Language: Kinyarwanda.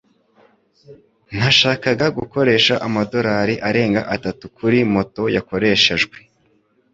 ntashaka gukoresha amadolari arenga atatu kuri moto yakoreshejwe